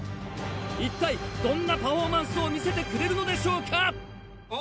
一体どんなパフォーマンスを見せてくれるのでしょうか？